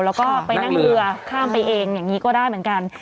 แล้วก็ไปนั่งเรือข้ามไปเองอย่างนี้ก็ได้เหมือนกัน